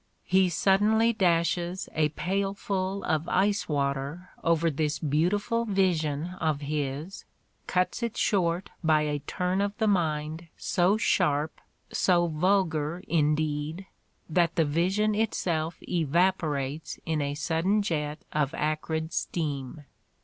He suddenly dashes a pailfiil of ice water over this beautiful vision of his, cuts it short by a turn of the mind so sharp, so vulgar indeed, that the vision itself evaporates in a sudden jet of acrid steam.